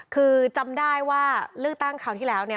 คือจำได้ว่าเลือกตั้งคราวที่แล้วเนี่ย